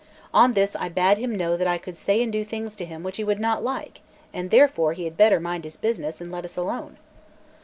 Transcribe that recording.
On this I bade him know that I could say and do things to him which he would not like, and therefore he had better mind his business, and let us alone.